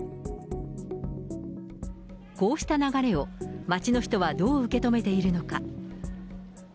こうした流れを、街の人はどう受け止めているのか。